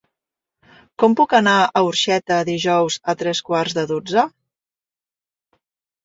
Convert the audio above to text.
Com puc anar a Orxeta dijous a tres quarts de dotze?